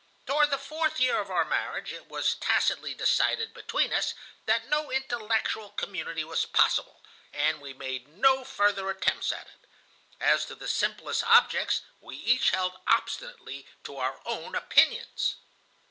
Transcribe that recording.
Toward the fourth year of our marriage it was tacitly decided between us that no intellectual community was possible, and we made no further attempts at it. As to the simplest objects, we each held obstinately to our own opinions.